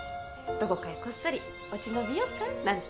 どこかへこっそり落ち延びようかなんて。